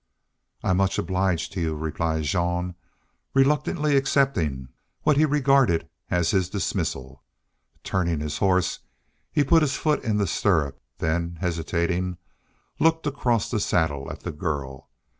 "I'm much obliged to you," replied Jean, reluctantly accepting what he regarded as his dismissal. Turning his horse, he put his foot in the stirrup, then, hesitating, he looked across the saddle at the girl.